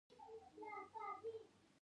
د لمر سوځیدنې څخه انار څنګه وساتم؟